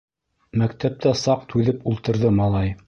Мәктәптә саҡ түҙеп ултырҙы малай.